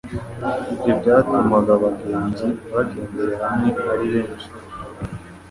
ibyo byatumaga abagenzi bagendera hamwe ari benshi